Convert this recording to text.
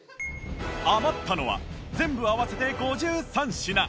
余ったのは全部合わせて５３品